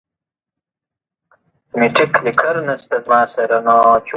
د ماشومانو زده کړې ته اهمیت ورکوي.